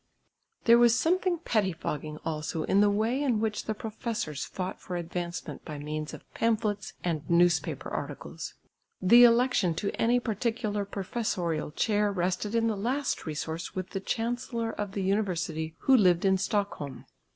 There was something pettifogging also in the way in which the professors fought for advancement by means of pamphlets and newspaper articles. The election to any particular professorial chair rested in the last resource with the Chancellor of the University who lived at Stockholm.